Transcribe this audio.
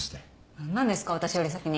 何なんですか私より先に。